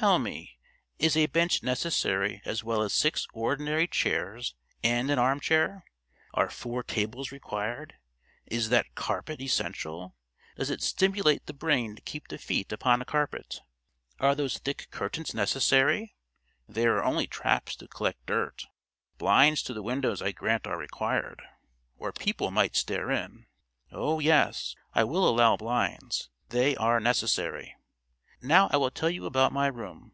Tell me, is a bench necessary as well as six ordinary chairs and an armchair? Are four tables required? Is that carpet essential? Does it stimulate the brain to keep the feet upon a carpet? Are those thick curtains necessary—they are only traps to collect dirt. Blinds to the windows I grant are required, or people might stare in. Oh yes, I will allow blinds; they are necessary. Now I will tell you about my room.